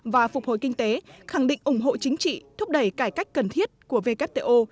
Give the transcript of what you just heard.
và phục hồi kinh tế khẳng định ủng hộ chính trị thúc đẩy cải cách cần thiết của wto